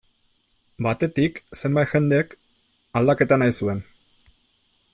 Batetik, zenbait jendek aldaketa nahi zuen.